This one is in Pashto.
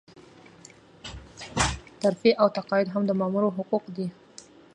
ترفيع او تقاعد هم د مامور حقوق دي.